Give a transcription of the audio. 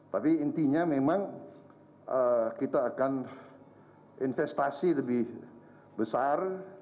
tapi intinya memang kita akan investasi lebih besar